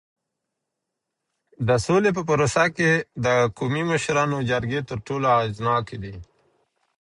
د سولې په پروسه کي د قومي مشرانو جرګې تر ټولو اغیزناکي دي.